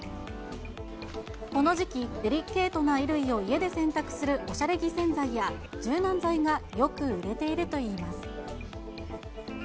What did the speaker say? この時期、デリケートな衣類を家で洗濯するおしゃれ着洗剤や柔軟剤がよく売れているといいます。